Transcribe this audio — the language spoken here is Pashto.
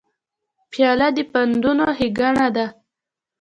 پیاله د پندونو ښیګڼه ده.